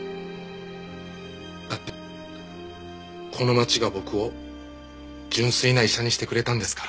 だってこの町が僕を純粋な医者にしてくれたんですから。